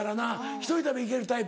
１人旅行けるタイプ？